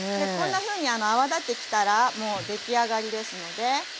こんなふうに泡立ってきたらもう出来上がりですので。